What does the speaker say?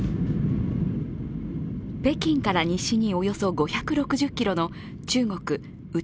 北京から西におよそ５６０ｋｍの中国・内